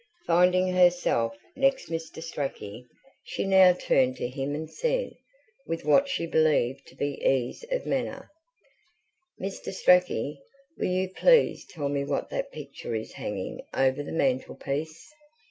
Finding herself next Mr. Strachey, she now turned to him and said, with what she believed to be ease of manner: "Mr. Strachey, will you please tell me what that picture is hanging over the mantelpiece?